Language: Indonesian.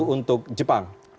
dua satu untuk jepang